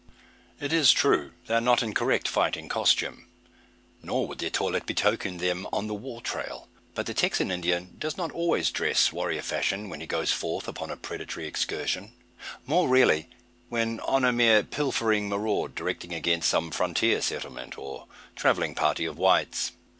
It is true, they are not in correct fighting costume. Nor would their toilet betoken them on the "war trail." But the Texan Indian does not always dress warrior fashion, when he goes forth upon a predatory excursion. More rarely when on a mere pilfering maraud, directed against some frontier settlement, or travelling party of whites.